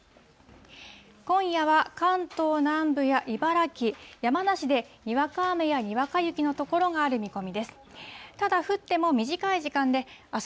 今夜は関東南部や茨城、山梨でにわか雨やにわか雪の所がある見込みです。